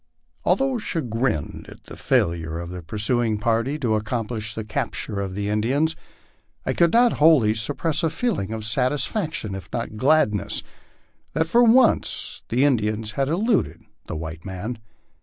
Although chagrined at the failure of the pur suing party to accomplish the capture of the Indians, I could not wholly sup press a feeling of satisfaction, if not gladness, that for once the Indian had eluded the white man.